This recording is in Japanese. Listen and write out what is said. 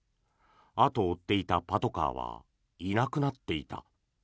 後を追っていたパトカーはいなくなっていた。